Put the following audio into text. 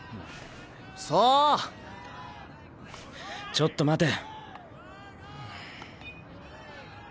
ちょっと待て。